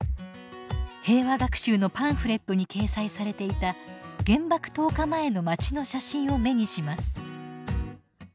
平和学習のパンフレットに掲載されていた原爆投下前の街の写真を目にします。